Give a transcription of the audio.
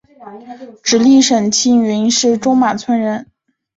直隶省庆云县中马村人。